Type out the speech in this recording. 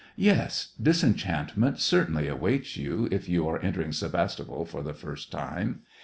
\\ Yes ! disenchantment certainly awaits you, if you are entering Sevastopol for the first time.